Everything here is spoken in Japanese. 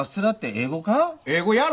英語やろ。